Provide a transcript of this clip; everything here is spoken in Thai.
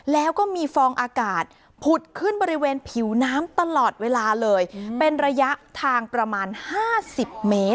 แล้วก็มีฟองอากาศผุดขึ้นบริเวณผิวน้ำตลอดเวลาเลยเป็นระยะทางประมาณ๕๐เมตร